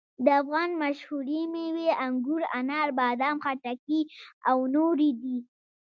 د افغانستان مشهورې مېوې انګور، انار، بادام، خټکي او نورې دي.